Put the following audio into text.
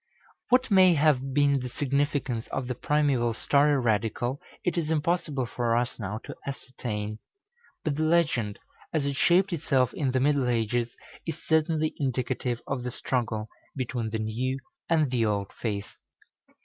What may have been the significance of the primeval story radical it is impossible for us now to ascertain; but the legend, as it shaped itself in the middle ages, is certainly indicative of the struggle between the new and the old faith.